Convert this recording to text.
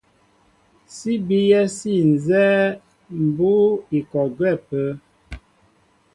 Sí bíyɛ́ sí nzɛ́ɛ́ mbʉ́ʉ́ i kɔ gwɛ́ ápə́.